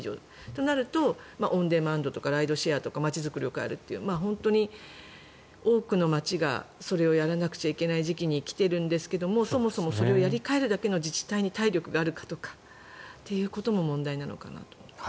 となると、オンデマンドとかライドシェアとか街づくりを変えるという多くの街がそれをやらなくちゃいけない時期に来ているんですがそもそもそれをやり替えるだけの体力が自治体にあるかということも問題なのかなと思います。